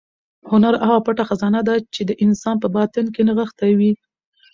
هنر هغه پټه خزانه ده چې د انسان په باطن کې نغښتې وي.